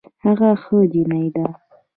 هغه ښه جينۍ ده